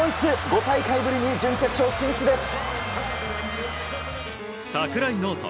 ５大会ぶりに準決勝進出です。